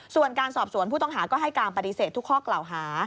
ส่วนการสอบสวนผู้ต้องหาก็ให้การปฏิเสธทุกข้อกล่าวหา